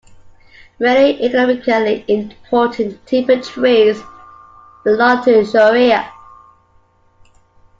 Many economically important timber trees belong to "Shorea".